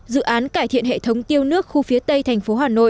dự án cải thiện hệ thống tiêu nước khu phía tây thành phố hà nội